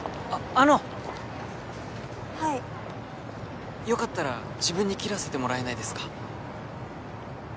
あのはいよかったら自分に切らせてもらえないですか？